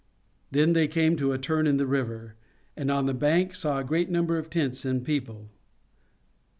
Then they came to a turn in the river, and on the bank saw a great number of tents and people.